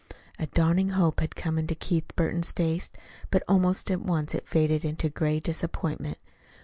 A dawning hope had come into Keith Burton's face, but almost at once it faded into gray disappointment.